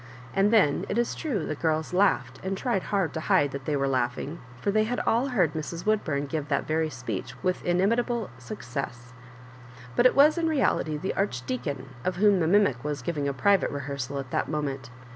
And then, it is tme, the girls laughed, and tried hard to hide that they were laughing, for they had all hoard Mrs. Woodbum give that very speech with ininai table success. But it was in reality the Arch« deacon of whom the mimic was giving a private rehears^ at that moment.